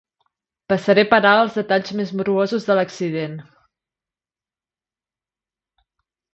Passaré per alt els detalls més morbosos de l'accident.